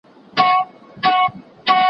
زه به اوږده موده د هنرونو تمرين کړی وم!.